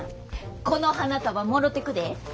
この花束もろてくで。